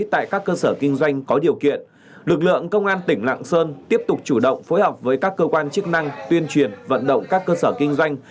tại các cơ sở kinh doanh có điều kiện lực lượng công an tỉnh lạng sơn tiếp tục chủ động phối hợp với các cơ quan chức năng tuyên truyền vận động các cơ sở kinh doanh